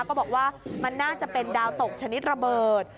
ก็บอกว่ามันน่าจะเป็นดาวตกชนิดระเบิด